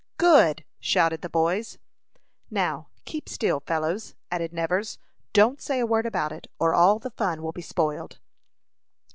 "Good!" shouted the boys. "Now, keep still, fellows," added Nevers. "Don't say a word about it, or all the fun will be spoiled."